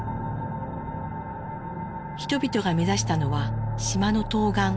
人々が目指したのは島の東岸ドンニー。